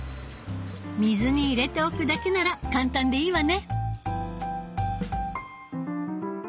水に入れておくだけなら簡単でいいわね。